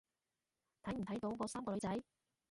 睇唔睇到嗰三個女仔？